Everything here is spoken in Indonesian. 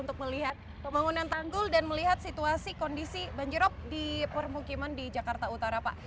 untuk melihat pembangunan tanggul dan melihat situasi kondisi banjirop di permukiman di jakarta utara pak